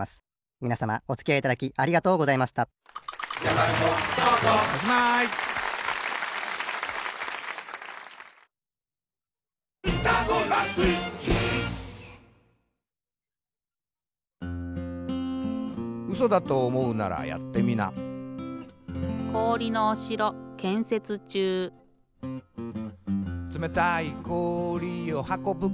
みなさまおつきあいいただきありがとうございました「つめたいこおりをはこぶ